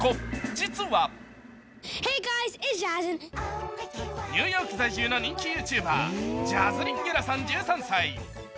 実はニューヨーク在住の人気ＹｏｕＴｕｂｅｒ、ジャズリン・ゲラさん１３歳。